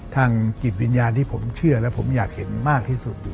จิตวิญญาณที่ผมเชื่อและผมอยากเห็นมากที่สุด